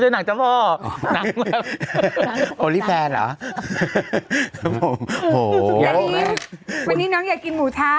หนังเจ้าพ่อโอลี่แฟนเหรอโหสุดยอดดีวันนี้น้องอยากกินหมูท้า